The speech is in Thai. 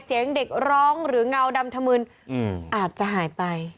เสียงเด็กร้องหรือเงาดำธมืนอาจจะหายไป